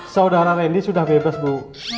saudara randy sudah bebas bu